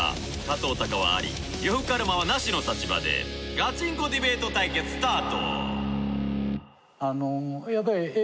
加藤鷹はあり呂布カルマはなしの立場でガチンコディベート対決スタート！